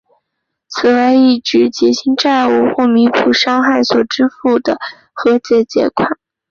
此外亦指为结清债务或弥补伤害所支付的和解款项。